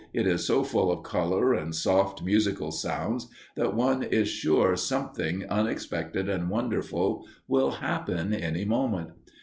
It is so full of color and soft musical sounds that one is sure something unexpected and wonderful will happen any moment.